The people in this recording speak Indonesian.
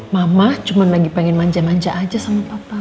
mama cuma lagi pengen manja manja aja sama papa